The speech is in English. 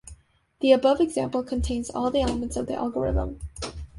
The above example contains all the elements of the algorithm.